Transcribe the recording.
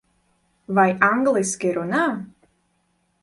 Vai angliski runā?